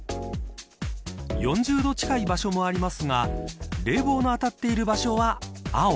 ４０度近い場所もありますが冷房の当たっている場所は青。